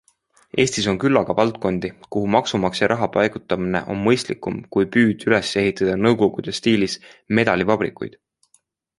Eestis on küllaga valdkondi, kuhu maksumaksja raha paigutamine on mõistlikum kui püüd üles ehitada nõukogude stiilis medalivabrikuid.